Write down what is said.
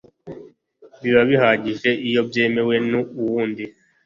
biba bihagije iyo byemewe n undi